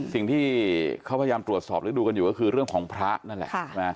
สิ่งที่เขาพยายามตรวจสอบหรือดูกันอยู่ก็คือเรื่องของพระนั่นแหละ